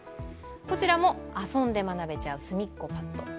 こちらも遊んで学べちゃうすみっコパッド。